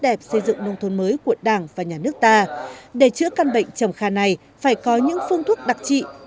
để chữa căn bệnh trầm kha này phải có những phương thuốc đặc trị